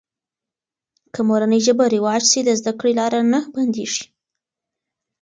که مورنۍ ژبه رواج سي، د زده کړې لاره نه بندېږي.